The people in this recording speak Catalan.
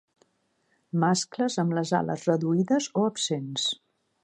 Mascles amb les ales reduïdes o absents.